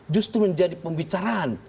justru menjadi pembicaraan